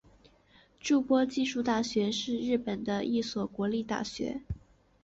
筑波技术大学是日本的一所国立大学。